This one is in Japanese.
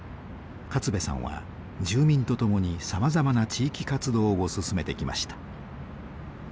勝部さんは住民と共にさまざまな地域活動を進めてきました。